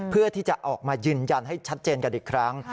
เพื่อที่จะออกมายืนยันให้ชัดเจนกันอีกครั้ง